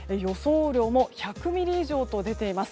雨量も１００ミリ以上と出ています。